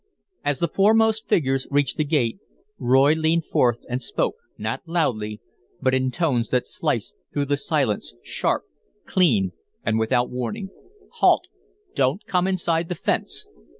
As the foremost figures reached the gate, Roy leaned forth and spoke, not loudly, but in tones that sliced through the silence, sharp, clean, and without warning. "Halt! Don't come inside the fence."